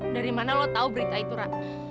dari mana lo tau berita itu ra